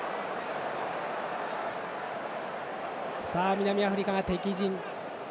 南アフリカが敵陣。